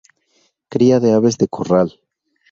Cría de aves de corral.